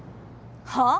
はあ？